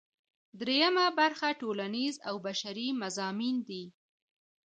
دریمه برخه ټولنیز او بشري مضامین دي.